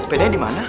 sepedanya di mana